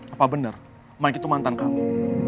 apa benar mike itu mantan kamu